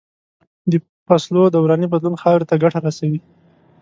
د فصلو دوراني بدلون خاورې ته ګټه رسوي.